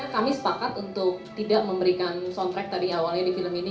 kami sepakat untuk tidak memberikan soundtrack tadi awalnya di film ini